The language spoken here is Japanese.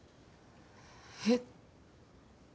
えっ。